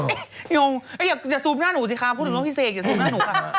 นี่หงอย่าสูบหน้าหนูสิคะคุณหนูต้องพี่เสกอย่าสูบหน้าหนูค่ะ